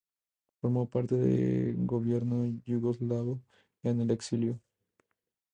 Formó parte del Gobierno yugoslavo en el exilio.